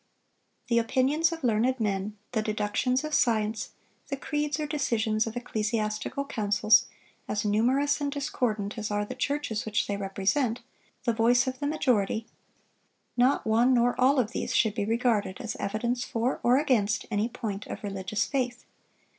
The opinions of learned men, the deductions of science, the creeds or decisions of ecclesiastical councils, as numerous and discordant as are the churches which they represent, the voice of the majority,—not one nor all of these should be regarded as evidence for or against any point of religious faith.